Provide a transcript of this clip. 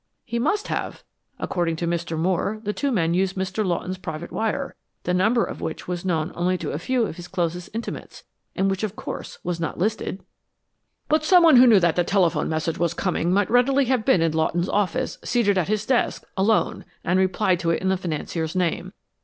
"He must have. According to Mr. Moore, the two men used Mr. Lawton's private wire, the number of which was known only to a few of his closest intimates and which of course was not listed." "But some one who knew that the telephone message was coming might readily have been in Lawton's office seated at his desk, alone, and replied to it in the financier's name.